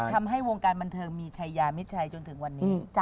ทำให้วงการบันเทิงมีชัยยามิดชัยจนถึงวันนี้